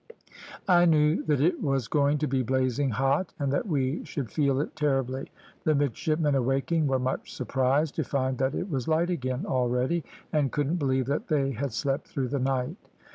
I knew that it was going to be blazing hot, and that we should feel it terribly. The midshipmen awaking, were much surprised to find that it was light again already, and couldn't believe that they had slept through the night.